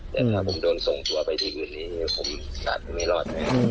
แต่ถ้าผมโดนส่งตัวไปที่อื่นนี้ผมสาดไม่รอด